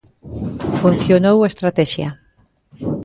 Funcionou a estratexia.